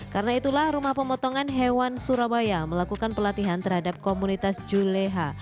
karena itulah rumah pemotongan hewan surabaya melakukan pelatihan terhadap komunitas juleha